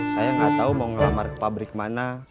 saya nggak tahu mau melamar ke pabrik mana